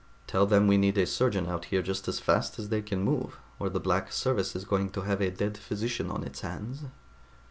Tell them we need a surgeon out here just as fast as they can move, or the Black Service is going to have a dead physician on its hands."